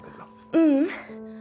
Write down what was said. ううん。